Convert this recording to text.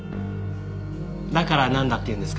だからなんだっていうんですか？